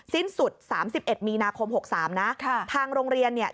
สิ้นสุด๓๑มีนาคม๖๓นะทางโรงเรียนเนี่ย